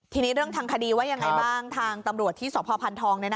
ทีนี้เรื่องทางคดีว่ายังไงบ้างทางตำรวจที่สพพันธอง